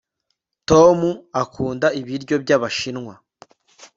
tom akunda ibiryo by'abashinwa